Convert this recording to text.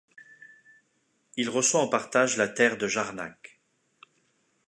Il reçoit en partage la terre de Jarnac.